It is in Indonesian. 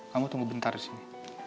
kamu tunggu bentar disini